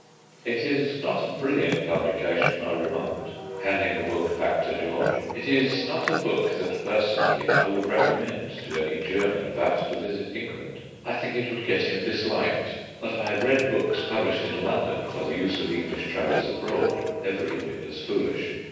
"It is not a brilliant publication," I remarked, handing the book back to George; "it is not a book that personally I would recommend to any German about to visit England; I think it would get him disliked. But I have read books published in London for the use of English travellers abroad every whit as foolish.